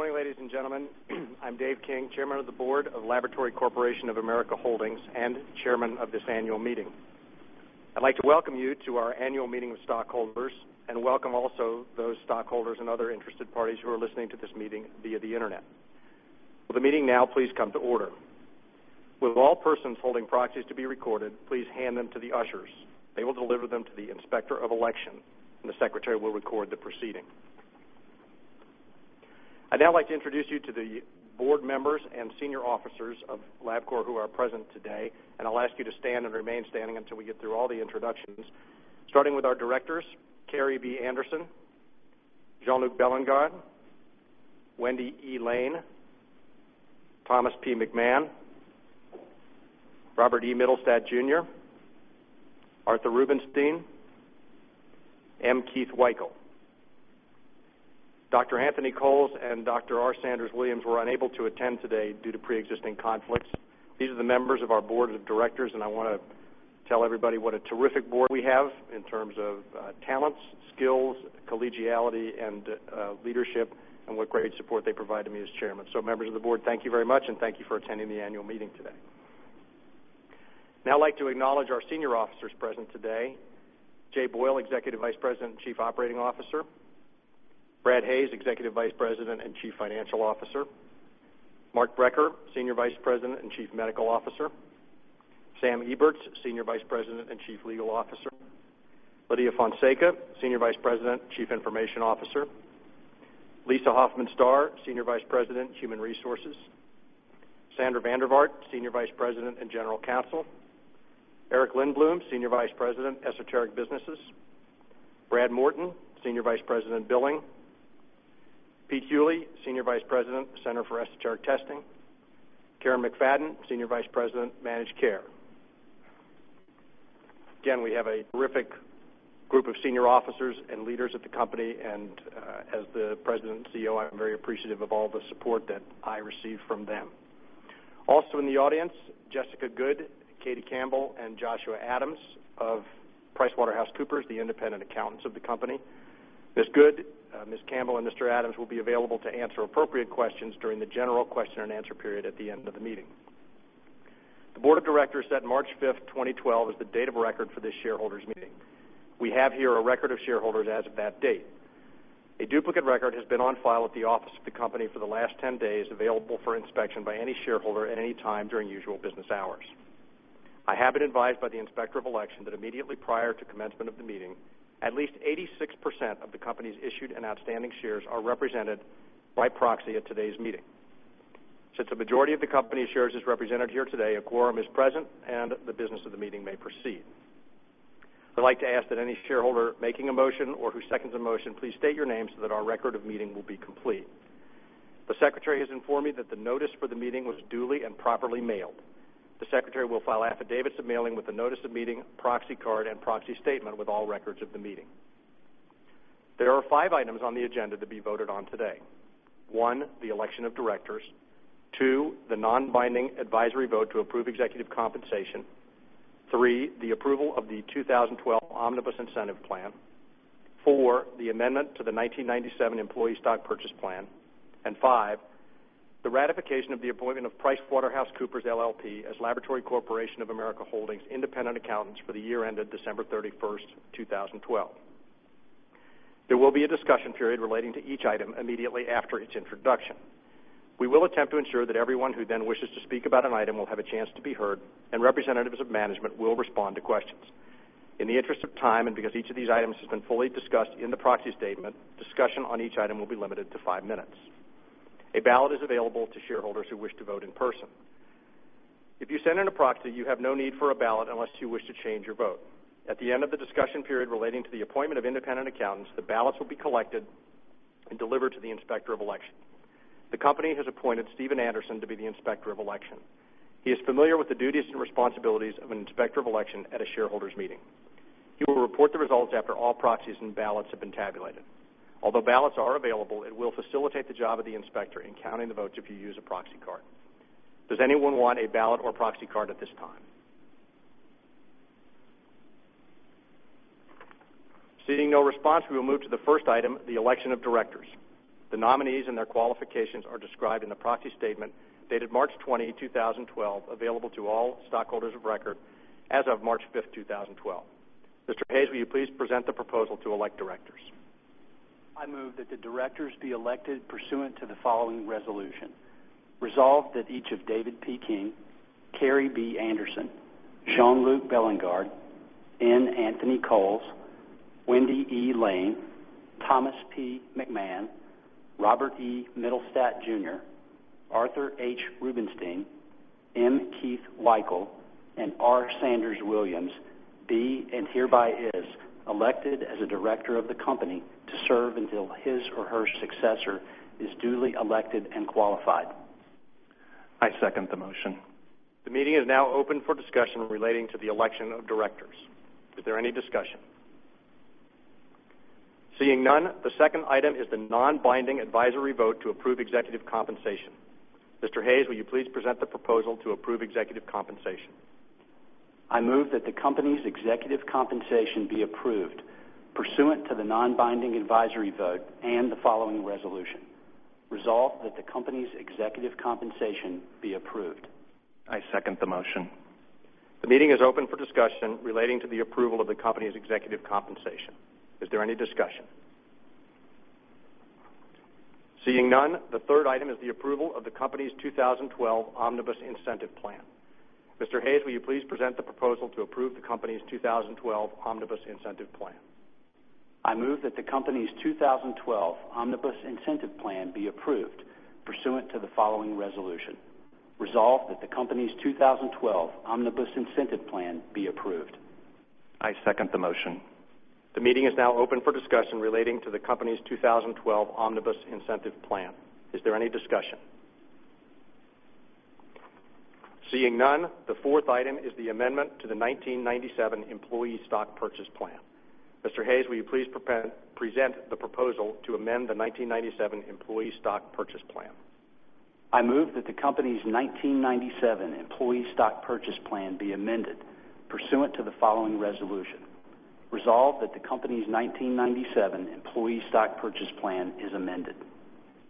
Good morning, ladies and gentlemen. I'm Dave King, Chairman of the Board of Laboratory Corporation of America Holdings and Chairman of this annual meeting. I'd like to welcome you to our Annual Meeting of Stockholders and welcome also those stockholders and other interested parties who are listening to this meeting via the Internet. For the meeting now, please come to order. Will all persons holding proxies to be recorded, please hand them to the ushers. They will deliver them to the Inspector of Election, and the Secretary will record the proceeding. I'd now like to introduce you to the board members and senior officers of Labcorp who are present today, and I'll ask you to stand and remain standing until we get through all the introductions, starting with our directors: Kerrii B. Anderson, Jean-Luc Bélingard, Wendy E. Lane, Thomas P. Mac Mahon, Robert E. Mittelstaedt Jr., Arthur Rubenstein, M. Keith Weikel. Dr. Anthony Coles and Dr. R. Sanders Williams were unable to attend today due to preexisting conflicts. These are the members of our board of directors, and I want to tell everybody what a terrific board we have in terms of talents, skills, collegiality, and leadership, and what great support they provide to me as Chairman. Members of the board, thank you very much, and thank you for attending the annual meeting today. Now, I'd like to acknowledge our senior officers present today: Jay Boyle, Executive Vice President and Chief Operating Officer; Brad Hayes, Executive Vice President and Chief Financial Officer; Mark Brecher, Senior Vice President and Chief Medical Officer; Sam Eberts, Senior Vice President and Chief Legal Officer; Lidia Fonseca, Senior Vice President and Chief Information Officer; Lisa Hoffman Starr, Senior Vice President, Human Resources; Sandra Van der vaart, Senior Vice President and General Counsel; Eric Lindblom, Senior Vice President, Esoteric Businesses; Brad Morton, Senior Vice President, Billing; Pete Hewley, Senior Vice President, Center for Esoteric Testing; Karen McFadden, Senior Vice President, Managed Care. Again, we have a terrific group of senior officers and leaders at the company, and as the President and CEO, I'm very appreciative of all the support that I received from them. Also in the audience, Jessica Good, Katie Campbell, and Joshua Adams of PricewaterhouseCoopers, the independent accountants of the company. Ms. Good, Ms. Campbell, and Mr. Adams will be available to answer appropriate questions during the general question and answer period at the end of the meeting. The board of directors set March 5th, 2012, as the date of record for this shareholders' meeting. We have here a record of shareholders as of that date. A duplicate record has been on file at the office of the company for the last 10 days, available for inspection by any shareholder at any time during usual business hours. I have been advised by the Inspector of Election that immediately prior to commencement of the meeting, at least 86% of the company's issued and outstanding shares are represented by proxy at today's meeting. Since the majority of the company's shares is represented here today, a quorum is present, and the business of the meeting may proceed. I'd like to ask that any shareholder making a motion or who seconds a motion, please state your name so that our record of meeting will be complete. The Secretary has informed me that the notice for the meeting was duly and properly mailed. The Secretary will file affidavits of mailing with the notice of meeting, proxy card, and proxy statement with all records of the meeting. There are five items on the agenda to be voted on today: one, the election of directors; two, the non-binding advisory vote to approve executive compensation; three, the approval of the 2012 omnibus incentive plan; four, the amendment to the 1997 employee stock purchase plan; and five, the ratification of the appointment of PricewaterhouseCoopers, LLP, as Laboratory Corporation of America Holdings independent accountants for the year ended December 31st, 2012. There will be a discussion period relating to each item immediately after its introduction. We will attempt to ensure that everyone who then wishes to speak about an item will have a chance to be heard, and representatives of management will respond to questions. In the interest of time and because each of these items has been fully discussed in the proxy statement, discussion on each item will be limited to five minutes. A ballot is available to shareholders who wish to vote in person. If you send in a proxy, you have no need for a ballot unless you wish to change your vote. At the end of the discussion period relating to the appointment of independent accountants, the ballots will be collected and delivered to the Inspector of Election. The company has appointed Stephen Anderson to be the Inspector of Election. He is familiar with the duties and responsibilities of an Inspector of Election at a shareholders' meeting. He will report the results after all proxies and ballots have been tabulated. Although ballots are available, it will facilitate the job of the Inspector in counting the votes if you use a proxy card. Does anyone want a ballot or proxy card at this time? Seeing no response, we will move to the first item, the election of directors. The nominees and their qualifications are described in the proxy statement dated March 20th, 2012, available to all stockholders of record as of March 5th, 2012. Mr. Hayes, will you please present the proposal to elect directors? I move that the directors be elected pursuant to the following resolution: resolved that each of David P. King, Kerrii B. Anderson, Jean-Luc Bélingard, N. Anthony Coles, Wendy E. Lane, Thomas P. Mac Mahon, Robert E. Mittelstaedt Jr., Arthur H. Rubenstein, M. Keith Weikel, and R. Sanders Williams be and hereby is elected as a director of the company to serve until his or her successor is duly elected and qualified. I second the motion. The meeting is now open for discussion relating to the election of directors. Is there any discussion? Seeing none, the second item is the non-binding advisory vote to approve executive compensation. Mr. Hayes, will you please present the proposal to approve executive compensation? I move that the company's executive compensation be approved pursuant to the non-binding advisory vote and the following resolution: resolved that the company's executive compensation be approved. I second the motion. The meeting is open for discussion relating to the approval of the company's executive compensation. Is there any discussion? Seeing none, the third item is the approval of the company's 2012 omnibus incentive plan. Mr. Hayes, will you please present the proposal to approve the company's 2012 omnibus incentive plan? I move that the company's 2012 omnibus incentive plan be approved pursuant to the following resolution: resolved that the company's 2012 omnibus incentive plan be approved. I second the motion. The meeting is now open for discussion relating to the company's 2012 omnibus incentive plan. Is there any discussion? Seeing none, the fourth item is the amendment to the 1997 employee stock purchase plan. Mr. Hayes, will you please present the proposal to amend the 1997 employee stock purchase plan? I move that the company's 1997 employee stock purchase plan be amended pursuant to the following resolution: resolved that the company's 1997 employee stock purchase plan is amended.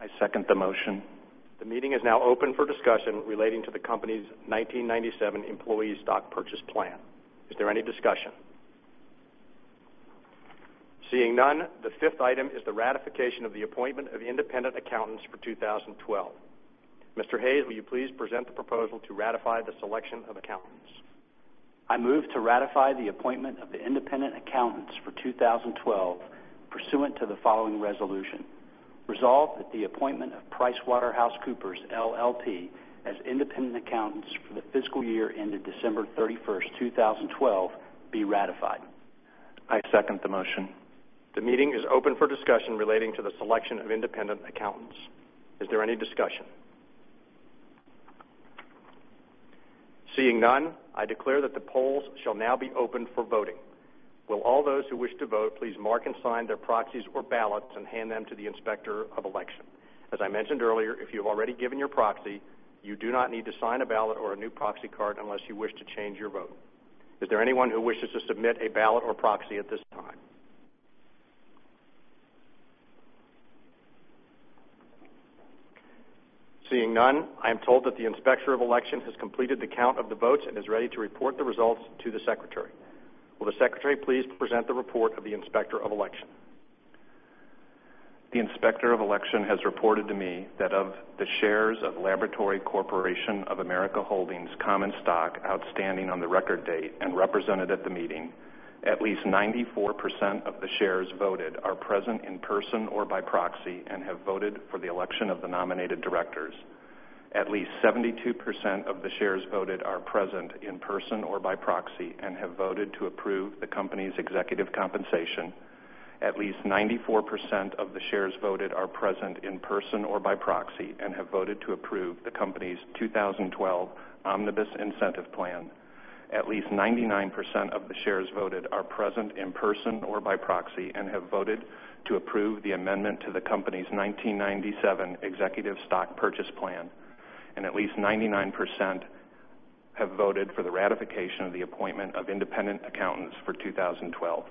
I second the motion. The meeting is now open for discussion relating to the company's 1997 employee stock purchase plan. Is there any discussion? Seeing none, the fifth item is the ratification of the appointment of independent accountants for 2012. Mr. Hayes, will you please present the proposal to ratify the selection of accountants? I move to ratify the appointment of the independent accountants for 2012 pursuant to the following resolution: resolved that the appointment of PricewaterhouseCoopers, LLP, as independent accountants for the fiscal year ended December 31st, 2012, be ratified. I second the motion. The meeting is open for discussion relating to the selection of independent accountants. Is there any discussion? Seeing none, I declare that the polls shall now be open for voting. Will all those who wish to vote please mark and sign their proxies or ballots and hand them to the Inspector of Election? As I mentioned earlier, if you have already given your proxy, you do not need to sign a ballot or a new proxy card unless you wish to change your vote. Is there anyone who wishes to submit a ballot or proxy at this time? Seeing none, I am told that the Inspector of Election has completed the count of the votes and is ready to report the results to the Secretary. Will the Secretary please present the report of the Inspector of Election? The Inspector of Election has reported to me that of the shares of Laboratory Corporation of America Holdings Common Stock outstanding on the record date and represented at the meeting, at least 94% of the shares voted are present in person or by proxy and have voted for the election of the nominated directors. At least 72% of the shares voted are present in person or by proxy and have voted to approve the company's executive compensation. At least 94% of the shares voted are present in person or by proxy and have voted to approve the company's 2012 omnibus incentive plan. At least 99% of the shares voted are present in person or by proxy and have voted to approve the amendment to the company's 1997 executive stock purchase plan. And at least 99% have voted for the ratification of the appointment of independent accountants for 2012.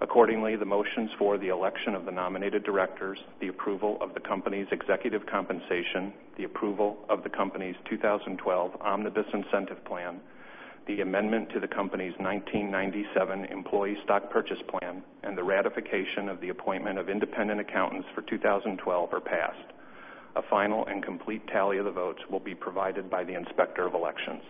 Accordingly, the motions for the election of the nominated directors, the approval of the company's executive compensation, the approval of the company's 2012 omnibus incentive plan, the amendment to the company's 1997 employee stock purchase plan, and the ratification of the appointment of independent accountants for 2012 are passed. A final and complete tally of the votes will be provided by the Inspector of Elections.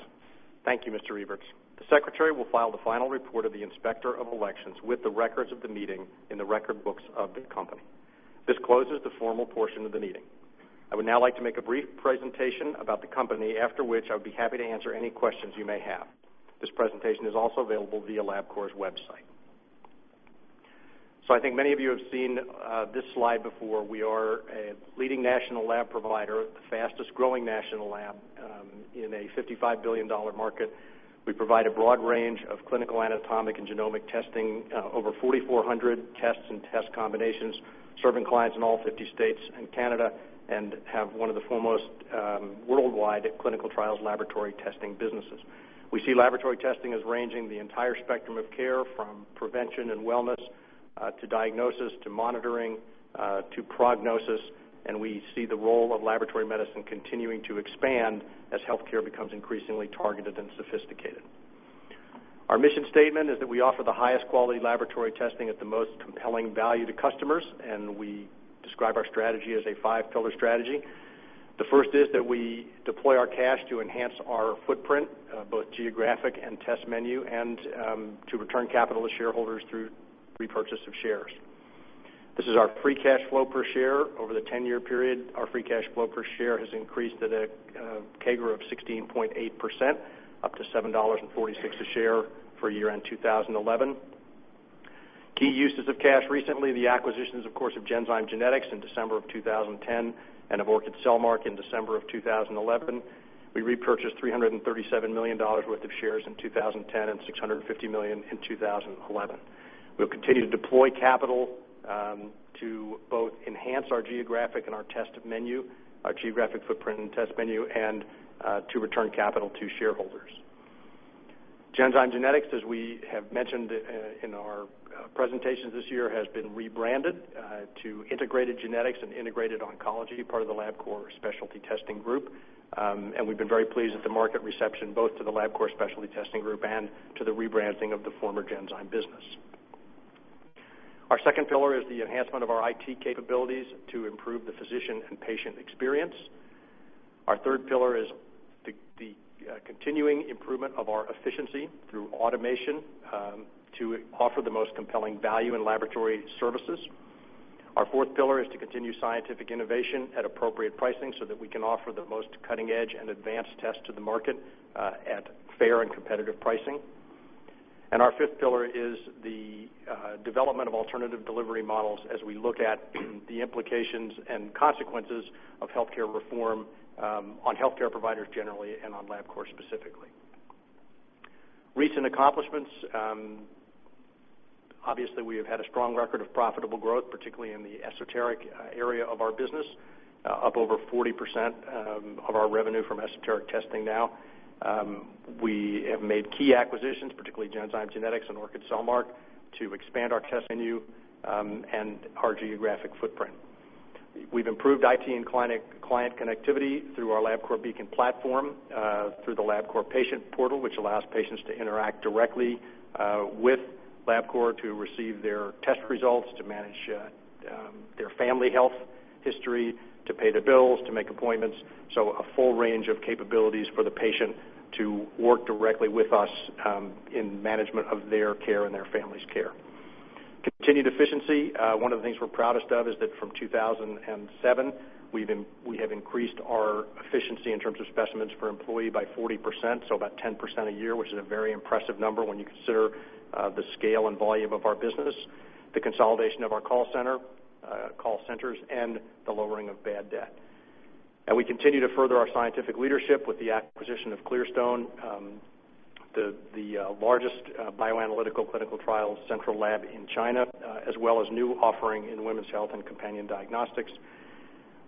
Thank you, Mr. Eberts. The Secretary will file the final report of the Inspector of Elections with the records of the meeting in the record books of the company. This closes the formal portion of the meeting. I would now like to make a brief presentation about the company, after which I would be happy to answer any questions you may have. This presentation is also available via Labcorp's website. So I think many of you have seen this slide before. We are a leading national lab provider, the fastest growing national lab in a $55 billion market. We provide a broad range of clinical anatomic and genomic testing, over 4,400 tests and test combinations, serving clients in all 50 states and Canada, and have one of the foremost worldwide clinical trials laboratory testing businesses. We see laboratory testing as ranging the entire spectrum of care from prevention and wellness to diagnosis to monitoring to prognosis, and we see the role of laboratory medicine continuing to expand as healthcare becomes increasingly targeted and sophisticated. Our mission statement is that we offer the highest quality laboratory testing at the most compelling value to customers, and we describe our strategy as a five-pillar strategy. The first is that we deploy our cash to enhance our footprint, both geographic and test menu, and to return capital to shareholders through repurchase of shares. This is our free cash flow per share over the 10-year period. Our free cash flow per share has increased at a CAGR of 16.8%, up to $7.46 a share for year end 2011. Key uses of cash recently: the acquisitions, of course, of Genzyme Genetics in December of 2010 and of Orchid Cellmark in December of 2011. We repurchased $337 million worth of shares in 2010 and $650 million in 2011. We'll continue to deploy capital to both enhance our geographic and our test menu, our geographic footprint and test menu, and to return capital to shareholders. Genzyme Genetics, as we have mentioned in our presentations this year, has been rebranded to Integrated Genetics and Integrated Oncology, part of the Labcorp Specialty Testing Group, and we've been very pleased with the market reception both to the Labcorp Specialty Testing Group and to the rebranding of the former Genzyme business. Our second pillar is the enhancement of our IT capabilities to improve the physician and patient experience. Our third pillar is the continuing improvement of our efficiency through automation to offer the most compelling value in laboratory services. Our fourth pillar is to continue scientific innovation at appropriate pricing so that we can offer the most cutting-edge and advanced tests to the market at fair and competitive pricing. And our fifth pillar is the development of alternative delivery models as we look at the implications and consequences of healthcare reform on healthcare providers generally and on Labcorp specifically. Recent accomplishments: obviously, we have had a strong record of profitable growth, particularly in the esoteric area of our business, up over 40% of our revenue from esoteric testing now. We have made key acquisitions, particularly Genzyme Genetics and Orchid Cellmark, to expand our test menu and our geographic footprint. We've improved IT and client connectivity through our Labcorp Beacon platform, through the Labcorp Patient Portal, which allows patients to interact directly with Labcorp to receive their test results, to manage their family health history, to pay their bills, to make appointments. So a full range of capabilities for the patient to work directly with us in management of their care and their family's care. Continued efficiency: one of the things we're proudest of is that from 2007 we have increased our efficiency in terms of specimens per employee by 40%, so about 10% a year, which is a very impressive number when you consider the scale and volume of our business, the consolidation of our call center, call centers, and the lowering of bad debt. And we continue to further our scientific leadership with the acquisition of Clearstone, the largest bioanalytical clinical trial central lab in China, as well as new offering in women's health and companion diagnostics.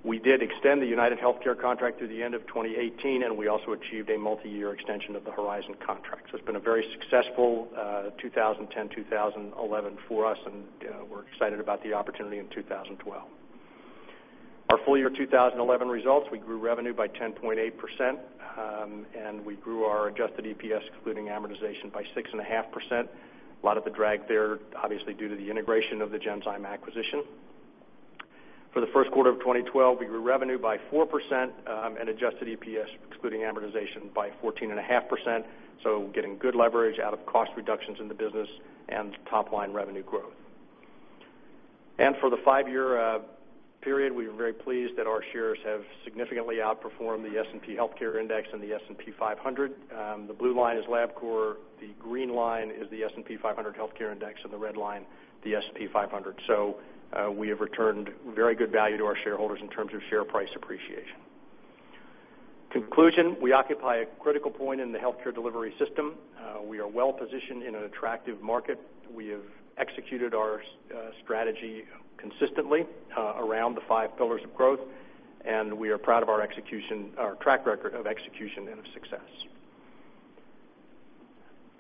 We did extend the United Healthcare Contract through the end of 2018, and we also achieved a multi-year extension of the Horizon Contract. So it's been a very successful 2010-2011 for us, and we're excited about the opportunity in 2012. Our full year 2011 results: we grew revenue by 10.8%, and we grew our adjusted EPS, including amortization, by 6.5%. A lot of the drag there, obviously, due to the integration of the Genzyme acquisition. For the first quarter of 2012, we grew revenue by 4% and adjusted EPS, excluding amortization, by 14.5%, so getting good leverage out of cost reductions in the business and top-line revenue growth. And for the five-year period, we are very pleased that our shares have significantly outperformed the S&P Healthcare Index and the S&P 500. The blue line is Labcorp, the green line is the S&P 500 Healthcare Index, and the red line the S&P 500. So we have returned very good value to our shareholders in terms of share price appreciation. Conclusion: we occupy a critical point in the healthcare delivery system. We are well positioned in an attractive market. We have executed our strategy consistently around the five pillars of growth, and we are proud of our execution, our track record of execution and of success.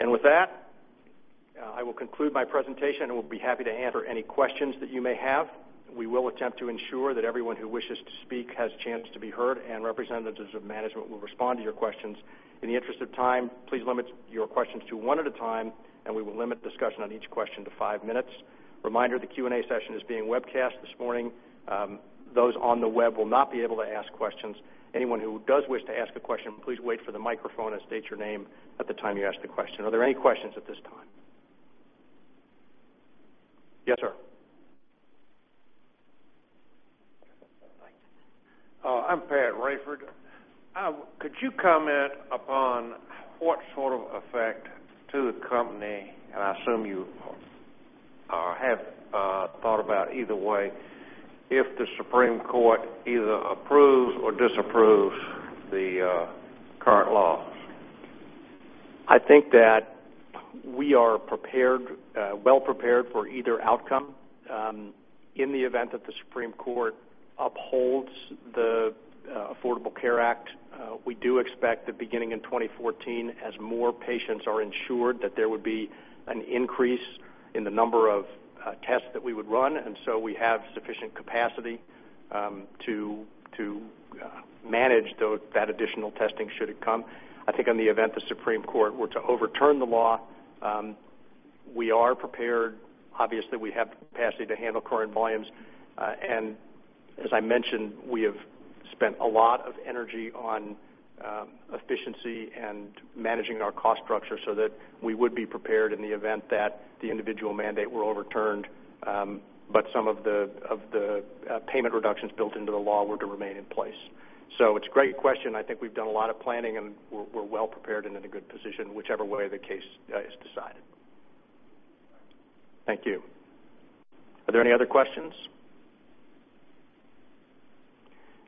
And with that, I will conclude my presentation and will be happy to answer any questions that you may have. We will attempt to ensure that everyone who wishes to speak has a chance to be heard, and representatives of management will respond to your questions. In the interest of time, please limit your questions to one at a time, and we will limit discussion on each question to five minutes. Reminder: the Q&A session is being webcast this morning. Those on the web will not be able to ask questions. Anyone who does wish to ask a question, please wait for the microphone and state your name at the time you ask the question. Are there any questions at this time? Yes, sir. I'm Pat Wrayford. Could you comment upon what sort of effect to the company, and I assume you have thought about either way, if the Supreme Court either approves or disapproves the current laws? I think that we are well prepared for either outcome. In the event that the Supreme Court upholds the Affordable Care Act, we do expect that beginning in 2014, as more patients are insured, that there would be an increase in the number of tests that we would run, and so we have sufficient capacity to manage that additional testing should it come. I think in the event the Supreme Court were to overturn the law, we are prepared. Obviously, we have the capacity to handle current volumes, and as I mentioned, we have spent a lot of energy on efficiency and managing our cost structure so that we would be prepared in the event that the individual mandate were overturned, but some of the payment reductions built into the law were to remain in place. So it's a great question. I think we've done a lot of planning, and we're well prepared and in a good position, whichever way the case is decided. Thank you. Are there any other questions?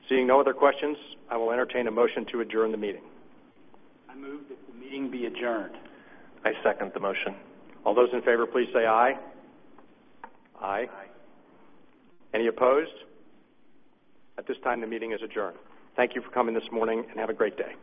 Seeing no other questions, I will entertain a motion to adjourn the meeting. I move that the meeting be adjourned. I second the motion. All those in favor, please say aye. Aye. Aye. Any opposed? At this time, the meeting is adjourned. Thank you for coming this morning, and have a great day.